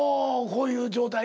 「こういう状態」？